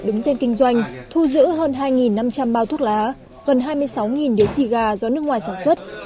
đứng tên kinh doanh thu giữ hơn hai năm trăm linh bao thuốc lá gần hai mươi sáu điếu xì gà do nước ngoài sản xuất